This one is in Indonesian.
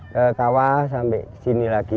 kekawas sampai sini lagi